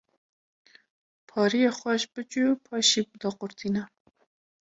pariyê xweş bicû paşê daqurtîne